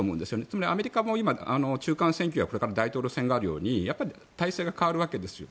つまりアメリカも今、中間選挙やこれから大統領選挙があるようにやっぱり体制が変わるわけです。